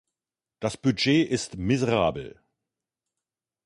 Das Budget ist miserabel.